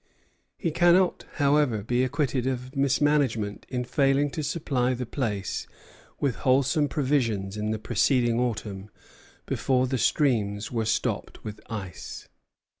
He cannot, however, be acquitted of mismanagement in failing to supply the place with wholesome provisions in the preceding autumn, before the streams were stopped with ice.